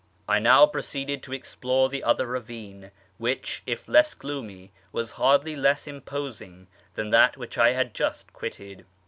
I now proceeded to explore the other ravine, which, if less gloomy, was hardly less imposing than that which I had just quitted.